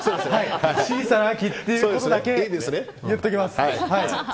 小さな秋ということだけ言っておきます。